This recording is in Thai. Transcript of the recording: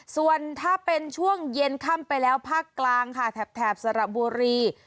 ส่วนถ้าเป็นช่วงเย็นค่ำไปแล้วภาคกลางค่ะแถบสระบุรี